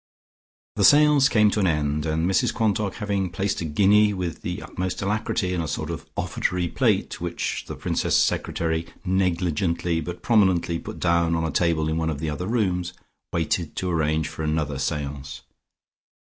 The seance came to an end, and Mrs Quantock having placed a guinea with the utmost alacrity in a sort of offertory plate which the Princess's secretary negligently but prominently put down on a table in one of the other rooms, waited to arrange for another seance.